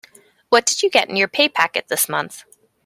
What did you get in your pay packet this month?